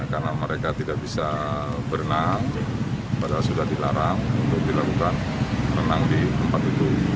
karena mereka tidak bisa berenang padahal sudah dilarang untuk dilakukan renang di tempat itu